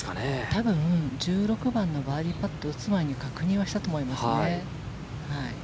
多分１６番のバーディーパットを打つ前に確認はしたと思いますね。